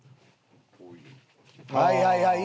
はいはいはい。